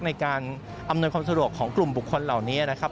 ในการอำนวยความสะดวกของกลุ่มบุคคลเหล่านี้นะครับ